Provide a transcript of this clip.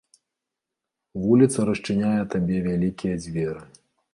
Вуліца расчыняе табе вялікія дзверы.